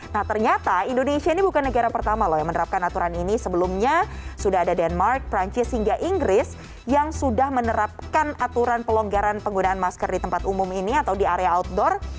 nah ternyata indonesia ini bukan negara pertama loh yang menerapkan aturan ini sebelumnya sudah ada denmark perancis hingga inggris yang sudah menerapkan aturan pelonggaran penggunaan masker di tempat umum ini atau di area outdoor